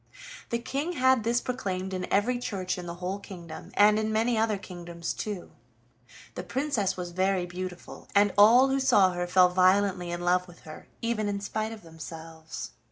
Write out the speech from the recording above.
The King had this proclaimed in every church in the whole kingdom, and in many other kingdoms too. The Princess was very beautiful, and all who saw her fell violently in love with her, even in spite of themselves.